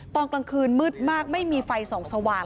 ตอนกลางคืนมืดมากไม่มีไฟส่องสว่าง